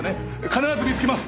必ず見つけます！